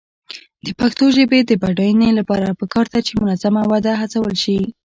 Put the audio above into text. د پښتو ژبې د بډاینې لپاره پکار ده چې منظمه وده هڅول شي.